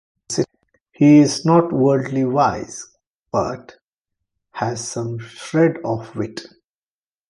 He is not "worldly wise" but has some shred of wit.